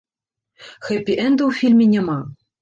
Хэпі-энда ў фільме няма.